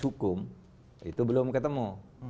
hukum itu belum ketemu